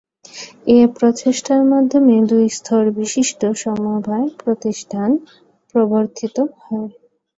এ প্রচেষ্টার মাধ্যমে দুই স্তর বিশিষ্ট সমবায় প্রতিষ্ঠান প্রবর্তিত হয়।